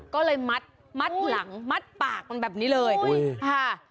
ก็เลยมัดหลังมัดปากมันแบบนี้เลยค่ะ